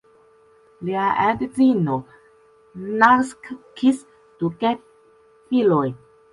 Lia edzino naskis du gefilojn.